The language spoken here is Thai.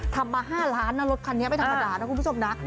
ทำมา๕ล้านนะรถคันนี้ไม่ธรรมดานะคุณผู้ชมนะ